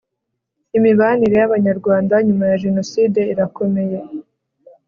Imibanire y ‘Abanyarwanda nyuma ya Jenoside irakomeye.